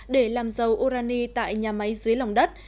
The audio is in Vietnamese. để làm dầu urani tại nhà máy dưới lòng đất